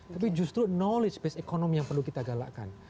tapi justru knowledge space ekonomi yang perlu kita galakkan